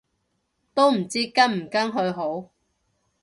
都唔知跟唔跟去好